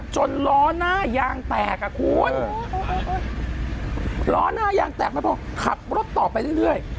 ล้อหน้ายางแตกอ่ะคุณล้อหน้ายางแตกไม่พอขับรถต่อไปเรื่อย